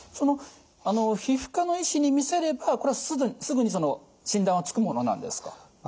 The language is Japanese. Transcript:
皮膚科の医師に見せればすぐに診断はつくものなんですか？